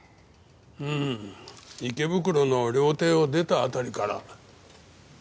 うーん池袋の料亭を出た辺りから。